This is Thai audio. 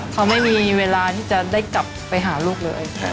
เขาไม่มีเวลาที่จะได้กลับไปหาลูกเลย